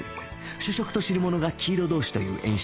主食と汁物が黄色同士という演出